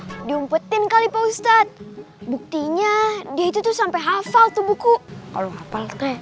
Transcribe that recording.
hai diumpetin kali pak ustadz buktinya dia itu tuh sampai hafal tuh buku kalau hafal ke